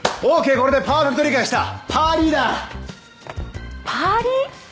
これでパーフェクト理解したパーリーだパーリー？